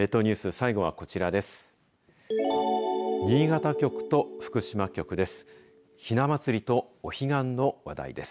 最後はこちらです。